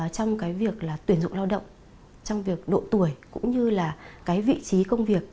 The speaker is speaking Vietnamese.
trong cái việc là tuyển dụng lao động trong việc độ tuổi cũng như là cái vị trí công việc